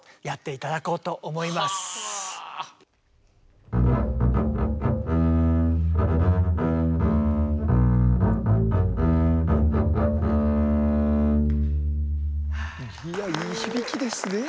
いやいい響きですね。